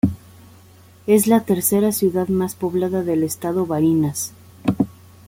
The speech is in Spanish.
Es la tercera ciudad más poblada del estado Barinas.